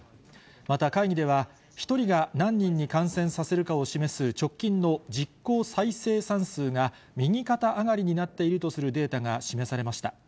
また会議では、１人が何人に感染させるかを示す、直近の実効再生産数が、右肩上がりになっているとするデータが示されました。